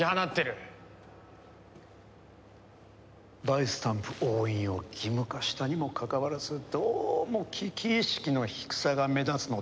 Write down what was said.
バイスタンプ押印を義務化したにもかかわらずどうも危機意識の低さが目立つのでね。